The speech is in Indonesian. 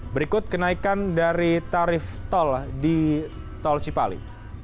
berikut kenaikan dari tarif tol di tol cipali